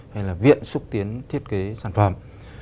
hay là viện xúc tiến thiết kế sản phẩm